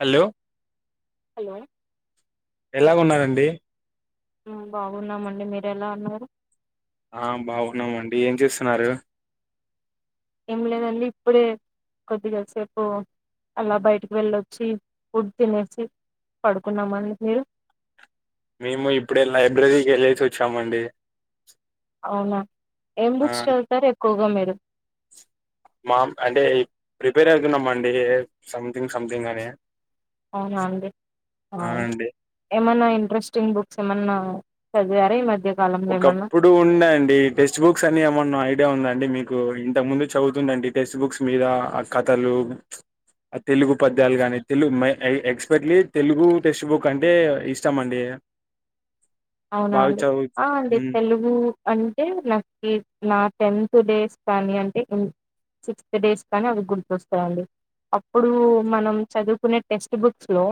Hello hello ఎలాగ ఉన్నారంండి బాగున్నామండి మీరు ఎలా అన్నారు ఆ బాగున్నామ అండి ఏం చేస్తున్నారు ఏం లేదండి ఇప్పుడే కొద్దిగాసేపు అలా బయటకి వెళ్ళొచ్చి ఫుడ్ తినేసి పడుకున్నామ అండి మీరు మేము ఇప్పుడే లైబ్రరీకి వెళ్ళేసి వచ్చామండి అవునా ఏం ఆ బుక్స్ చళ్తారు ఎక్కువగా మే అ మా అంటే ప్రిపేర్ అవుతున్నాం అండి సంథింగ్ సంథింగ్ అని అవు రడి ఆ అండి ఏమనా ఇంట్రెస్టింగ్ బుక్స్ ఏమన్నాది అర మధ్య కాలంలో ఏమన్నా ఒకప్పుడు ఉందండి టెక్స్ట్ బుక్స్ అని ఏమన్నా ఐడియా ఉందండి మీకు ఇంతకు ముందు చదువుతుందిండి టెక్స్ట్ బుక్స్ మీద ఆ కథలు తెలుగు పద్యాలు కానీ తెలుగు ఎక్స్పెక్ట్లీ తెలుగు టెక్స్ట్ బుక్ అంటే ఇష్టం అండి అవునా బవి చ అండి ఆ అండి తెలుగు అంటే నాకు నా టెన్త్ డేస్ కానీ అంటే సిక్స్త్ డేస్ కానీ అవి గుర్తుొస్తాయిండి అప్పుడు మనం చదువుకునే టెక్స్ట్ బుక్స్ లో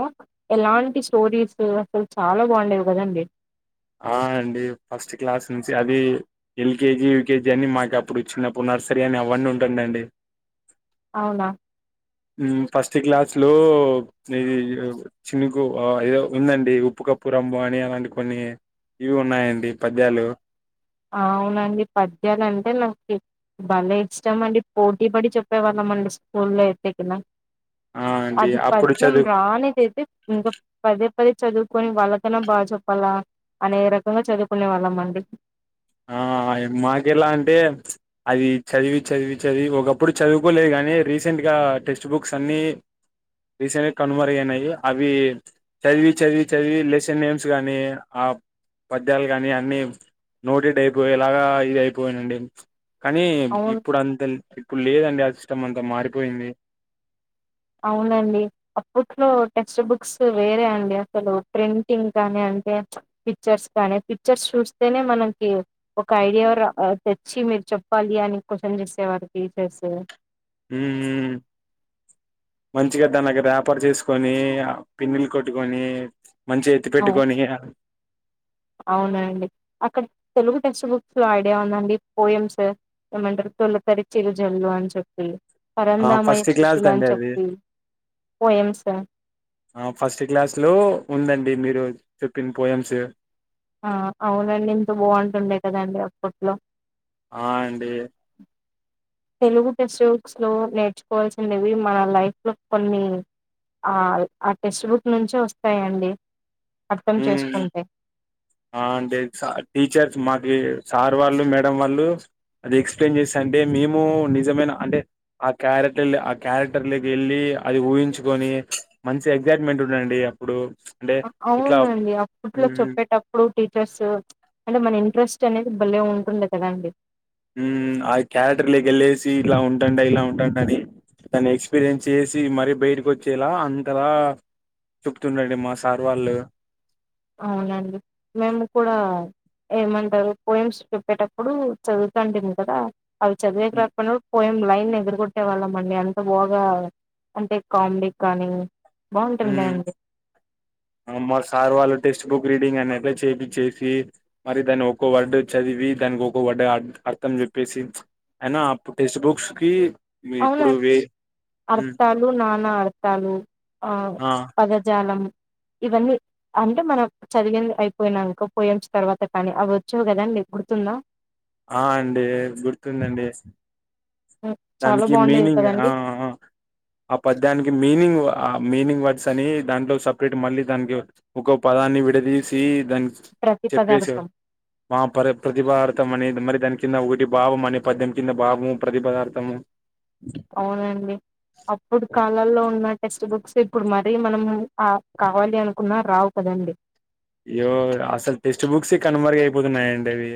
ఎలాంటి స్టోరీస్ అసలు చాలా బాగుండేవి కదండి ఆ అండి ఫస్ట్ క్లాస్ నుంచి అది ఎల్కేజీ యూకేజీ అని మాకు అప్పుడు చిన్నప్పుడు నర్సరీ అని అవన్నీ ఉంటాండండి అవునా ఫస్ట్ క్లాస్ లో ఇది చినుకు ఏదో ఉందండి ఉప్పు కప్పు రంబు అని అలాంటి కొన్ని ఇవి ఉన్నాయండి పద్యాలు అవునండి పద్యాలు అంటే నాకు బల ఇష్టం అండి పోటీ పడి చెప్పేవాళ్ళ అండి స్కూల్లో ఎతేకినా ఆ అండి అది అప్పుడు పద్యం చదువు రాణది ఇది ఇ పద చదువుకొని వాళ్ళకన బాగా చెప్పాలా అనే రకంగా చదువుకునే వాళ్ళం అండి మాకుెలా అంటే అది చదివి చదివి చదివి ఒకప్పుడు చదువుకోలేదు కానీ రీసెంట్గా టెక్స్ట్ బుక్స్ అన్నిీ రీసెంట్గా కనుమరు అయినాయి అవి చదివి చదివి చదివి లెసన్ నేమ్స్ కానీ ఆ పద్యాలు కానీ అన్నీ నోటిడ్ అయిపోయే ఇలాగా ఇది అయిపోయానండి కానీ అవును ఇప్పుడు అంత ఇప్పుడు లేదండి ఆ సిస్టం అంతా మారిపోయింది అవునండి అప్పట్లో టెక్స్ట్ బుక్స్ వేరే అండి అసలు ప్రింటింగ్ కానీ అంటే పిక్చర్స్ కానీ పిక్చర్స్ చూస్తేనే మనకి ఒక ఐడియా తెచ్చి మీరు చెప్పాలి అని క్వశ్చన్ చేసేవారు టీచర్స్ హ మంచిగా దన్దగ్గర వ్యాపారు చేసుకొని పిన్నలు కొట్టుకొని మంచి ఎత్తి అవు పెట్టుకొని అవునండి. అక్కడ తెలుగు టెక్స్ట్ బుక్స్ లో ఐడియా ఉందండి పోయిమ్స్ ఏమంటారు తొలితరి చిరుజల్లు అని చెప్పి ఆ పరంధామయ్య ఫస్ట్ క్లాస్ త శిశులు అని అండి అది చెప్పి పోయమ్స్ ఆ ఫస్ట్ క్లాస్ లో ఉందండి మీరు చెప్పన్ పోయంమ్స్ ఆ అవునండి ఇంత బాగుంటుండే కదండి అప్పట్లో ఆ అండి తెలుగు టెక్స్ట్ బుక్స్ లో నేర్చుకోవాల్సిినవి మన లైఫ్లో కొన్ని ఆ ఆ టెక్స్ట్ బుక్ నుంచే వస్తాయంండి అర్థం ఉమ్ చేసుకుంటే ఆ అంటే టీచర్స్ మాకి సార్ వాళ్ళు మేడం వాళ్ళు అది ఎక్స్ప్లెయిన్ చేస్తా అంటే మేము నిజమైన అంటే ఆ క్యారెక్టర్ ఆ క్యారెక్టర్ లోకి వెళ్ళి అది ఊహించుకొని మంచి ఎక్జైట్మెంట్ ఉండండి అప్పుడు అంటే ఇట్లా అవునండి అప్పట్లో మ్మ్, చెప్పేటప్పుడు టీచర్స్ అంటే మన ఇంట్రెస్ట్ అనేది భలే ఉంటుండ కదండడి హామ్ ఆ క్యారటర్లోకి వెళ్ళేసి ఇలా ఉంటాం ఇలా ఉంటాం అని దాన్ని ఎక్స్పీరియన్స్ చేసి మరీ బయటకి వచ్చేలా అంతలా చెప్తుండండి మా సార్ వాళ్ళు అవునండి మేము కూడా ఏమంటారు పోయిమ్స్ చెప్పేటప్పుడు చదువుతాండి ము కదా అది చదివే క్లర్ ప పోయి లైన్ ఎదురుకొట్టే వాళ్ళం అండి అంత బాగా అంటే కామెడీ కానీ బాగుంటుండే హామ్ అండి అమా సార్ వాళు టెస్ టెక్ బుక్ రీడింగ్ అనేట్లా చేపిచ్చేసి మరి దాన్ని ఒో వర్డ్ చదివి దానికి ఒో వర్డ్ అర్థం చెప్పేసి అయినాప్పు టెక్స్ట్ బుక్స్ కి ఇప్పుడు వే అవునండి హ్మ్. అర్థాలు నా ఆడతాను ఆ పదజాలం ఇవన్నీ అంటే మనం చదివి అయిపోయినానుకో పోయిచ్చ తర్వాత కానీ అవి వచ్చావు కదాంీ గుర్తుందా ఆ అండి గుర్తుందండి హ్మ్. చాలా దానికి బాగుండేవి మీనింగ్ ఆ కదండి ఆ పద్యానికి మీనింగ్ ఆ మీనింగ్ వర్డ్స్ అని దాంట్లో సపరేట్ మళ్ళీ దానికి ఒొ పదాన్ని విడదీసి దానికి ప్రతి చెప్పేసి పదార్థం మా ప ప్రతిభార్తం అనేది మరి ప కింద ఒకటి భావం అనే పద్యం కింద భావం ప్రతి పదార్థం త్తమం అవునండి అప్పుడు కాలాల్లో ఉన్నట్టు టెక్స్ట్ బుక్స్ ఇప్పుడు మర మనం కావాలి అనుకున్నా రావు కదండి అయ్యో అసలు టెక్స్ట్ బుక్స్ కన్వర్ అయిపోతున్నాయంండి అవి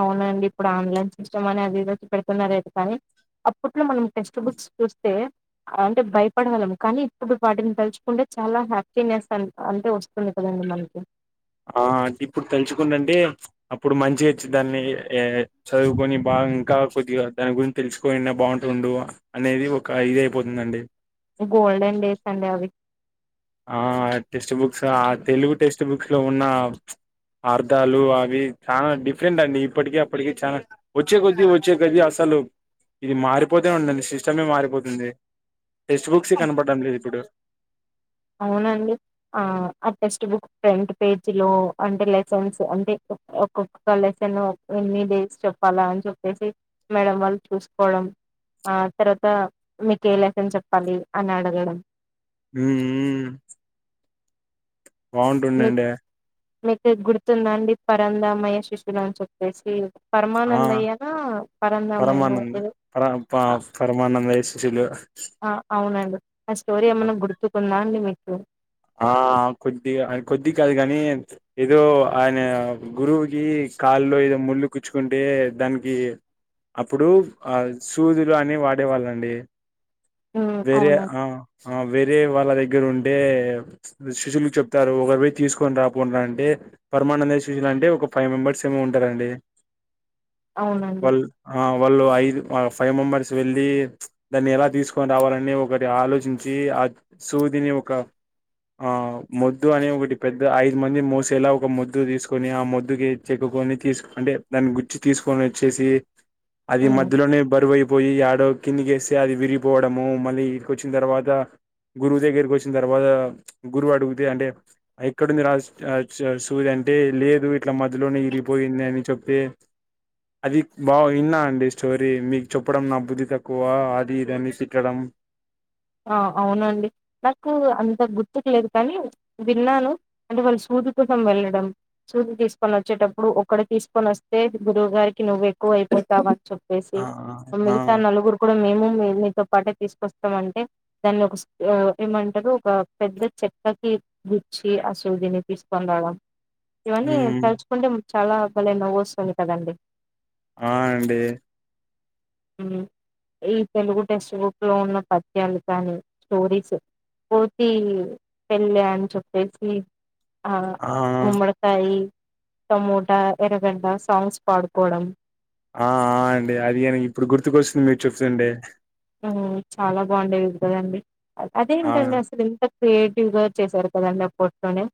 అవునండి ఇప్పుడు ఆన్లైన్ సిస్టమ్ అని అది పెడుతున్న అతే కానీ అప్పట్లో మనం టెక్స్ట్ బుక్స్ చూస్తే అంటే భయపడగలము కానీ ఇప్పుడు వాటిని తలుచుకుంటే చాలా హ్యాపీనెస్ అంటే వస్తుంది కదండి మనకి ఆ ఇప్పుడు తెలుసుకుంట అంటే అప్పుడు మంచిగా వచ్చి దాన్ని చదువుకొని బాగా ఇంకా కొద్దిగా దాని గురించి తెలుసుకని బాగుంటుండు అనేది ఒక ఇది అయిపోతుందండి గోల్డెన్ డే సం అండే అవి ఆ టెక్స్ట్ బుక్స్ ఆ తెలుగు టెక్స్ట్ బుక్స్ లో ఉన్న అర్థాలు అవి చాలా డిఫరెంట్ అండి ఇప్పటిక అప్పటిక చా వచ్చే కొదిీ వచ్చే కొదిీ అసలు ఇది మారిపోతే ఉండండి సిస్టమే మారిపోతుంది టెక్స్ట్ బుక్స్ అవును. కనపడం లేదు ఇప్పుడు అవునండి ఆ ఆ టెక్స్ట్ బుక్ ఫ్రంట్ పేజ్ లో అంటే లెసన్స్ అంటే ఒక్కొక్క లెసన్ ఎన్ని డేస్ చెప్పాలా అని చెప్పేసి మేడం వాళ్ళు చూసుకోవడం ఆ తర్వాత మీకు ఏ లెసన్ చెప్పాలి అని అడగడం హ బాగుంటుండండి గుడుతుందండి పరందామయ్య శిశ్యులు అని చెప్పేసి పరమానంద్ ఆ అయ్యానా పరందామ అయనా పరమానంద పర ప పరమానంద శిష్యులు అవునండి ఆ స్టోరీ ఏమన్నా గుర్తుకుందా అండి మీకు స ఆ కొద్దిగా కొద్ది కాదు కాని ఏదో ఆయన గురువుకి కాళ్ల్లో ఏదో ముళ్ళు కుచ్చుకుంటే దానికి అప్పుడు ఆ సూదులు అని వాడేవాళ్ళండి హ్మ్ వేరే అవునండి ఆ వేరే వాళ్ళ ద ఇగ్గరు ఉండే శిశ్యులకు చెప్తారు ఒకరి వేపు తీసుకొని రాకుండా అంటే పర్మానెంట్ శిశ్యులు అంటే ఒక ఫైవ్ మెంబర్స్ ఏమో ఉంటారుండి అవునండి. వాల్ వాళ్ళు ఐదు ఫైవ్ మెంబర్స్ వెళ్ళి దాన్ని ఎలా తీసుకొని రావాలని ఒకటి ఆలోచించి ఆ సూదిని ఒక ఆ ముొద్దు అనే ఒకటి పెద్ద ఐదు మంది మోసేలా ఒక ముద్దు తీసుకొని ఆ ముద్దుకి చెక్కుకొని తీసు అంటే దాన్ని గుచ్చి తీసుకొని వచ్చేసి అది హ్మ్. మధ్యలోనే బరువై పోయి ఆడో కిందికి వేస్తే అది విరిగిపోవడము మళ్ళీ ఇడికి వచ్చిన తర్వాత గురువు దగ్గరికి వచ్చిన తర్వాత గురువు అడుగితే అంటే ఎక్కడుంది రా సూది అంటే లేదు ఇట్లా మధ్యలోనే ఇరిగిపోయింది అని చెప్తే అది బాగు విన్నా అండి స్టోరీ మీకు చెప్పడం నా బుద్ధి తక్కువ అది ఇదని తిట్టడం ఆ అవునండి నాకు అంత గుర్తుకు లేదు కానీ విన్నాను అంటే వాళ్ళు సూదు కోసం వెళ్ళడం సూదు తీసుకొని వచ్చేటప్పుడు ఒక్కడ తీసుకొని వస్తే గురువు గారికి నువ్వు ఎక్కువ అయిపోతావ అని చెప్ ేసి ఆ ఆ మిగతా నలుగురు కూడా మేము మీతో పాటే తీసుకు వస్తాం అంటే దానిలో ఒక ఏమంటారు ఒక పెద్ద చెక్కకి గుచ్చి అసలు దీన్ని తీసుకొని రావడం ఇవన్నీ ఉమ్ తలుచుకుంటే చాలా అబ్బలైనవ్వు వస్తుంది కదండడి ఆనండి ఈ తెలుగు టెక్స్ట్ బుక్ లో ఉన్న పద్ లు కానీ స్టోరీస్ పోతి పెళ్ళి అని చెప్పేసి ఆ గుమ్మడికాయి టమోట ఎరగంండ సాంగ్స్ పాడుకోవడం ఆ అండి అది కాను ఇప్పుడు గుర్తుకొస్తుంది మీరు చెప్తుండడి చాలా బాగుండేది విగదండి ఆ అదేంట అసలు క్రియేటివ్ గా వచ్చసారు కదండి ఆ ఫోటోని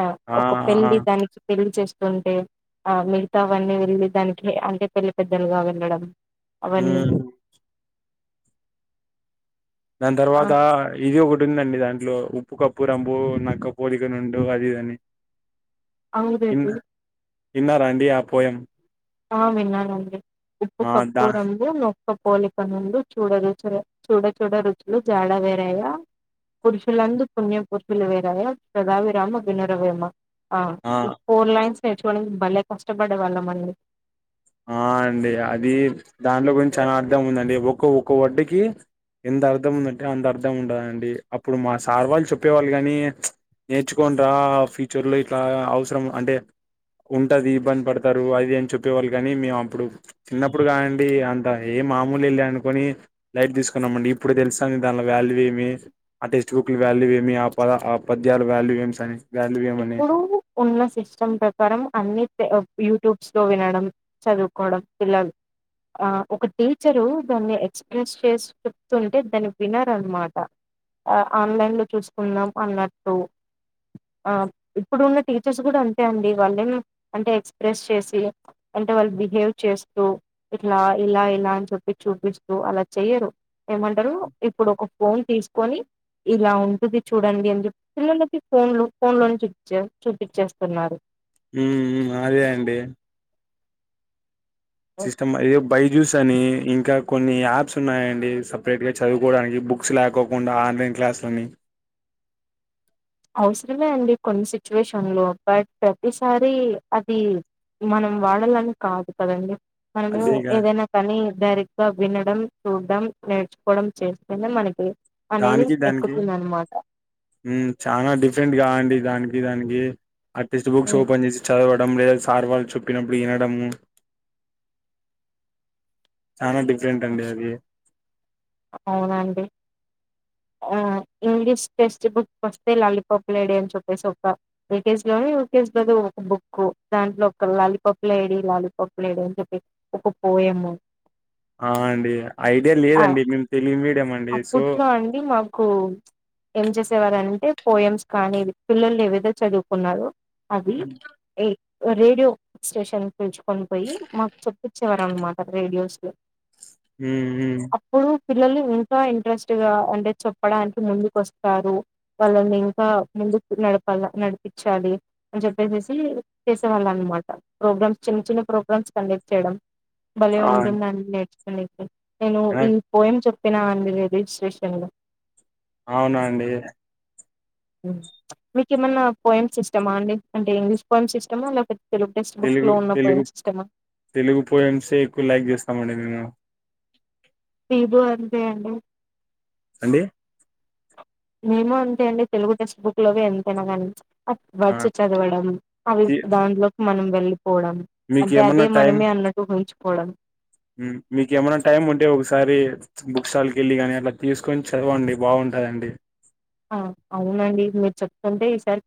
ఆ ఒక పెళ్ళి దానికి పెళ్ళి చేస్త ంటే ఆ మిగతావన్నీ వెళ్ళి దానికి అంటే పెళ్లి పెద్దలుగా వెళ్ళడం హ అవన్నీ డాన్ ఆ తర్వాత ఇదే ఉందండి దాంట్లో ఉప్పు కప్పు రంబు నక్క పోలికనుండు అది ఇదని అవుదదు విన్నారా అండి ఆ పోయం ఆ విన్నానండి ఉప్పు ఆ కప్పు దా రంగు నొ కప్పు పోలికనుండు చూడరుచుల చూడచూడ రుచులు జాడ వేరయ్య పురుషులందు పుణ్య పురుషులు వేరయ్య సధావిరామ వినర వేమ ఆ ఈ ఫోర్ లైన్స్ నేర్చుకోవడానికి భలే కష్టపడే వాళ్ళం మనల్ని ఆ అండి అది దాంట్లో గురించి చాలా అర్థం ఉందండి ఒ ఒక్క వడ్డకి ఎంత అర్థం ఉందంటే అంత అర్థం ఉంటదండి అప్పుడు మా సార్ వాళ్ళు చెప్పేవాళ్ళు కాని నేర్చుకోని రా ఫ్యూచర్ లో ఇట్లా అవసరం అంటే ఉంటది ఇబ్బంది పడతారు అది అని చెప్పేవాళ్ళు కానీ మేము అప్పుడు చిన్నప్పుడు కాండి అంత ఏ మామూలు వెళ్ళి అనుకుని లైట్ తీసుకున్నాంమండి ఇప్పుడు తెలుసా దానిలో వాల్యూ ఏమి ఆ టెక్స్ట్ బుక్ల వాల్యూ ఏమి ఆ పద ఆ పద్యాల వాల్యూ ఏమి అని వాల్యూ ఏమని ఇప్పుడు ఉన్న సిస్టమ్ ప్రకారం అన్ని పె ఒ యూట్యూబ్స్ లొ వినడం చదువుకోవడం పిల్లలు ఆ ఒక టీచరు దాన్ని ఎక్స్ప్రెస్ చేసి చెప్తుంటే దాన్ని వినరనమాట ఆన్లైన్ లో చూసుకుందాం అన్నట్టు ఆ ఇప్పుడు ఉన్న టీచర్స్ కూడా అంతే అండి వాళ్ళేమ అంటే ఎక్స్ప్రెస్ చేసి అంటే వాళ్ళు బిహేవ్ చేస్తూ ఇట్లా ఇలా ఇలా అని చెప్పి చూపిస్తూ అలా చెయరు ఏమంటారు ఇప్పుడు ఒక ఫోన్ తీసుకొని ఇలా ఉంటుంది చూడండి అని చెప్పి పిల్లలకి ఫోన్లు ఫోన్ లోని చూపి చూపించేస్తున్నారు ఉ ఉ అదేఅండి సిస్టమ్ అయి బైజ్యూస్ అని ఇంకా కొన్ని యాప్స్ ఉన్నాయండి సపరేట్ గా చదువుకోవడానికి బుక్స్ లేకోకుండా ఆన్లైన్ క్లాసులని అవసరమే అండి కొన్ని సిచ్యువేషన్ లో బట్ ప్రతిసారి అది మనం వాడాలని కాదు కదండి మనము అదేగా ఏదైనా కానీ డైరెక్ట్ గా వినడం చూడ్డం నేర్చుకోవడం చేస్తేనె మనకి అనేది దానికి దానికి ఎక్కుతుందనమాట. మ్ చాలా డిఫ డిఫెంట్గా అండి దానికి దానికి ఆ టెక్ట్ హ్మ్. బుక్స్ఓపన్ చేసి చాలా లేదా సార్ వాళ్ళు చప్పినప్పుడు వినడ చాల డిఫరెంట్ అండి అది అవునండి ఆ ఇంగ్లీష్ టెక్స్ట్ బుక్ వస్తే లాలీపాప్ లేడి అని చెప్పేసి ఒక యూకేజ్ లో యూకేజ్ లోద ఒక బుక్కు దాంట్లో ఒక లాలీపాప్ లేడి లాలీపాప్ లేడి అని చెప్పి ఒక పోయమ్ ఆ అండి ఐడియా ఆ లేదండి మేము తెలుగు మీడియం అండి సో అప్పట్లో అండి మాకు ఏం చేసేవారంటే పోయమ్స్ కాని పిల్లలు ఏ విదో చదువుకున్నారు అది ఏ రేడియో స్టేషన్ పిల్చుకొని పోయి మాకు చెప్పచ్ చివర అన్నమాట రేడియోస్ లో హు హు పిల్లల్ని ఇంకా ఇంట్రెస్ట్గా అంటే చెప్పడానికి ముందుకు వస్తారు వాళ్ళని ఇంకా ముందుకు నడపాల నడిపించాలి అని చెప్పేచేసి చేసే వాళ్ళ అన్నమాట ప్రోగ్రామ్స్ చిన్న చిన్న ప్రోగ్రామ్స్ కండక్ట్ చేయడం భలే ఆ ఉంటుందండి నే [unintelligible] నేను ఆ ఈ పోయమ్ చెప్ తిన్నా అండి రైల్వేస్ట్రేషన్లో అవునండి మీకు ఏమన్నా పోయిమ్స్ ఇష్టమా అండి అంటే ఇంగ్లీష్ పోయిమ్స్ ఇష్టామా లేకపోతే తెలుగు టెక్స్ట్ బుక్ తెలుగు లో ఉన్న తెలుగు పోయిమ్స్ ఇష్టమా తెలుగు పోయమ్సే ఎక్కువ లైక్ చేస్తామండి నేను మీదో అంతే అండి అండి మేము అంతే అండి తెలుగు టెక్స్ట్ బుక్ లోవి ఎంతైనా గాని ఆ వచ్చిన చదవడం అవి దాంట్లో మనం వెళ్ళి వడం అంటే అదే మనమే అన్నట్టు గుంచు మడం మీక ఏమైన్నా టైం ఉంటే ఒకసారి బుక్ స్టాల్ కి వెళ్ళి కాని అట్లా తీసుకొని చదవండి బాగుంటాదండి ఆ అవునండి మీరు చెప్తుంటే ఈసారి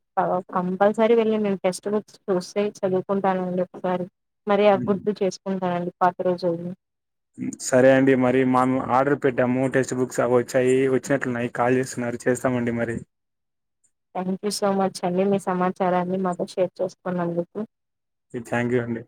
కంపల్సరీ వెళ్ళి నేను టెక్స్ట్ బుక్స్ చూసె చదువుకుంటానండి ఒకసారి మరి అభివృద్ధి చేసుకుంటానండి పా ఇకేం చె సరే అండి మరి మము ఆర్డర్ పెట్టాము టెక్స్ట్ బుక్స్ అవి వచ్చాయి వచ్చినట్లున్నాయి కాల్ చేస్తున్నారు చేస్తామండి మరి థ్యాంక్యూ సో మచ్ అండి మీ సమాచారాన్ని మాతో షేర్ చేసుకోన్నందుకు థ్యాంక్యూ అండి